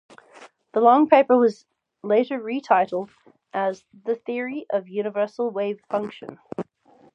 The long paper was later retitled as "The Theory of the Universal Wave Function".